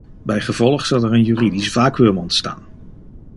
Bijgevolg zal er een juridisch vacuüm ontstaan.